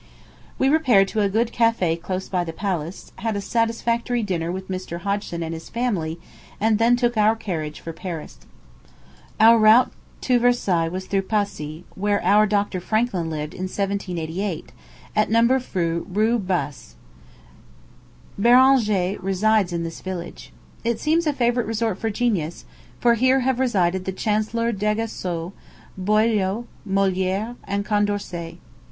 We repaired to a good café close by the palace, had a satisfactory dinner with Mr. Hodgson and his family, and then took our carriage for Paris. Our route to Versailles was through Passy, where our Dr. Franklin lived in 1788, at No. 40 Rue Bass. Beranger resides in this village. It seems a favorite resort for genius; for here have resided the Chancellor D'Aguesseau, Boileau, Molière, and Condorcet.